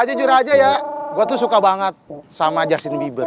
jujur aja ya gue tuh suka banget sama justin bieber